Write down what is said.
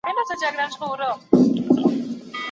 طبیعي زېرمې د ټولنې د پرمختګ بنسټ جوړوي.